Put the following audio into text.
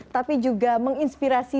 tapi juga menginspirasi